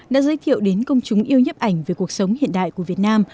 đã giới thiệu đến công chúng yêu nhấp ảnh về cuộc sống hiện đại của việt nam